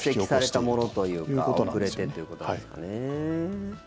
蓄積されたものというか遅れてっていうことですかね。